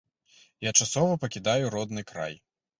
Я часова пакідаю родны край.